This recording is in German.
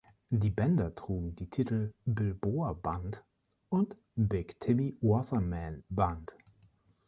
Die Bänder trugen die Titel „Bilboa“-Band und „Big Timmy Wasserman“-Band.